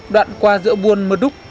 đoạn qua giữa bôn mơ đúc